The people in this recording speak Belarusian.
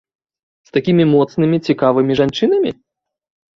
З такімі моцнымі, цікавымі жанчынамі?